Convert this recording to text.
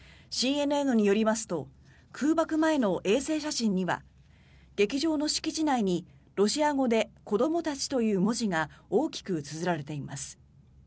ＣＮＮによりますと空爆前の衛星写真には劇場の敷地内にロシア語で子どもたちという文字が大きくつづられています。